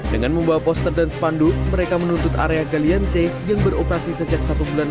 dengan membawa poster dan spanduk mereka menuntut area galian c yang beroperasi sejak satu bulan